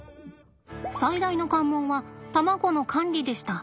最大の関門は卵の管理でした。